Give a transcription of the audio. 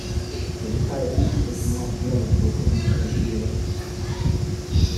A retiring member shall not be eligible for immediate re-election.